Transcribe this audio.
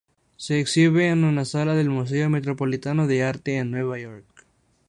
Se exhibe en una sala del Museo Metropolitano de Arte en Nueva York.